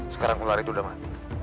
sekarang ular itu sudah mati